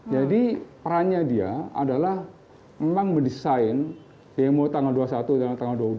jadi perannya dia adalah memang mendesain demo tanggal dua puluh satu dan tanggal dua puluh dua